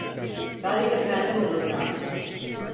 Galip efendi mırıldandı: